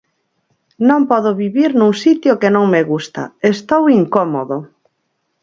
Non podo vivir nun sitio que non me gusta, estou incómodo.